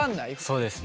そうですね。